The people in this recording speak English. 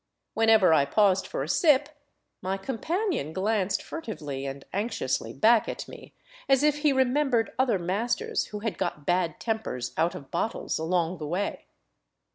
Whenever I paused for a sip, my companion glanced fur tively and anxiously back at me, as if he remembered other masters who had got bad tempers out of bottles along the way.